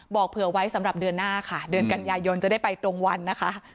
เผื่อไว้สำหรับเดือนหน้าค่ะเดือนกันยายนจะได้ไปตรงวันนะคะ